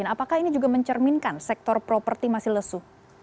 apakah ini juga mencerminkan sektor properti masih lesu